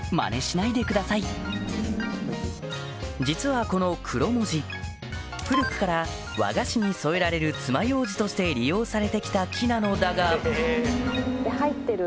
実はこのクロモジ古くから和菓子に添えられる爪楊枝として利用されてきた木なのだが入ってる。